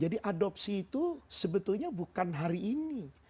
jadi adopsi itu sebetulnya bukan hari ini